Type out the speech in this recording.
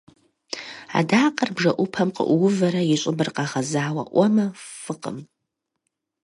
Адакъэр бжэӏупэм къыӏуувэрэ и щӏыбыр къэгъэзауэ ӏуэмэ, фӏыкъым.